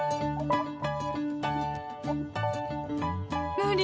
無理！